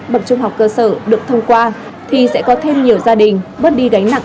bậc trung học cơ sở được thông qua thì sẽ có thêm nhiều gia đình bớt đi gánh nặng